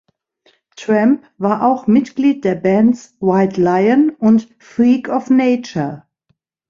Tramp war auch Mitglied der Bands White Lion und Freak of Nature.